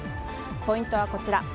ポイントはこちら。